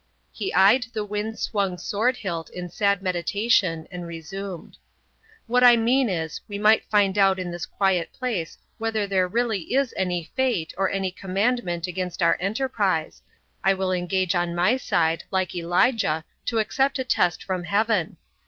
He eyed the wind swung sword hilt in sad meditation and resumed: "What I mean is, we might find out in this quiet place whether there really is any fate or any commandment against our enterprise. I will engage on my side, like Elijah, to accept a test from heaven.